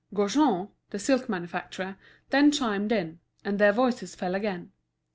Gaujean, the silk manufacturer, then chimed in, and their voices fell again.